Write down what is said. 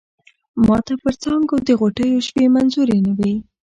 ماته پر څانگو د غوټیو شپې منظوری نه وې